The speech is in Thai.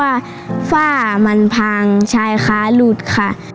ว่าฝ้ามันพังใช่ค่ะหลุดค่ะ